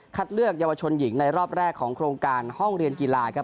เลือกเยาวชนหญิงในรอบแรกของโครงการห้องเรียนกีฬาครับ